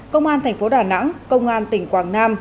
công an thành phố đà nẵng công an tỉnh quảng nam